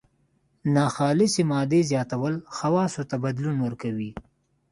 ناخالصې مادې زیاتول خواصو ته بدلون ورکوي.